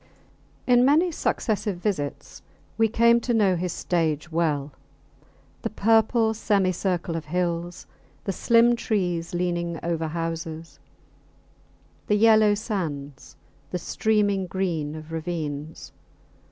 In many successive visits we came to know his stage well the purple semicircle of hills, the slim trees leaning over houses, the yellow sands, the streaming green of ravines.